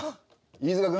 飯塚君？